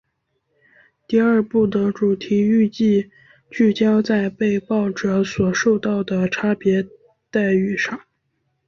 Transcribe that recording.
第二部的主题预计聚焦在被爆者所受到的差别待遇上。